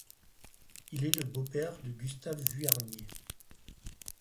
Il est le beau-père de Gustave Vuarnier.